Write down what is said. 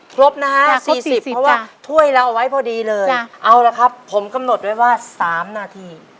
ครบนะฮะ๔๐เพราะว่าถ้วยเราเอาไว้พอดีเลยเอาละครับผมกำหนดไว้ว่า๓นาที